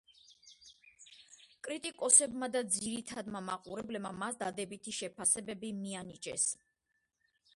კრიტიკოსებმა და ძირითადმა მაყურებლებმა მას დადებითი შეფასებები მიანიჭეს.